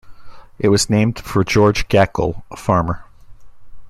It was named for George Gackle, a farmer.